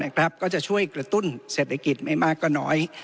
ก็จะช่วยกระตุ้นเศรษฐกิจไม่มากก็น้อย